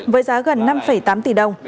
với giá gần năm tám tỷ đồng